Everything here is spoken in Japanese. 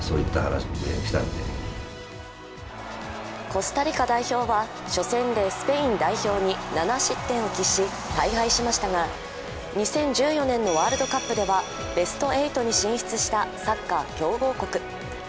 コスタリカ代表は初戦でスペイン代表に７失点を喫し大敗しましたが２０１４年のワールドカップではベスト８に進出したサッカー強豪国。